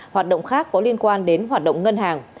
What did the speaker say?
hoạt động khác có liên quan đến hoạt động ngân hàng